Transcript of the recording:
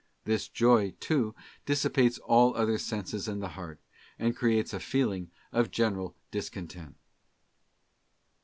This joy, too, dissipates all the other senses and the heart, and creates a feeling of general discontent.